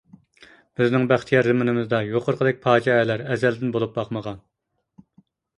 بىزنىڭ بەختىيار زېمىنىمىزدا، يۇقىرىقىدەك پاجىئەلەر ئەزەلدىن بولۇپ باقمىغان.